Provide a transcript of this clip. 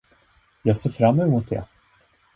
Jag ser fram emot det!